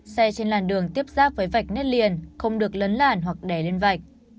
xe trên làn đường tiếp giáp với vạch nét liền không được lấn làn hoặc đè lên vạch